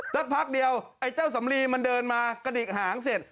สักพักเดียวไอ้เจ้าสำลีมันเดินมากระดิกหางเสร็จ